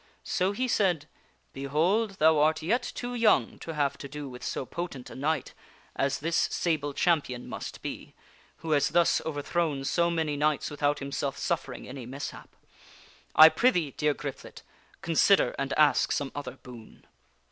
So he said, " Behold, thou art yet too young to have to do with so potent a knight as this sable champion must be, who has thus overthrown so many knights without himself suffering any mishap. I prithee, dear Griflet, consider and ask some other boon."